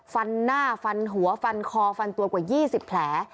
ฟันหน้าฟันหัวฟันคอฟันตัวกว่า๒๐แผล